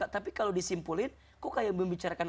tapi kalau disimpulin kok yang membicarakan